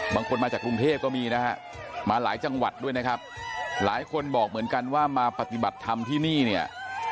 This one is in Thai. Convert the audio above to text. บางคนมาจากกรุงเทพก็มีนะฮะมาหลายจังหวัดด้วยนะครับหลายคนบอกเหมือนกันว่ามาปฏิบัติธรรมที่นี่เนี่ย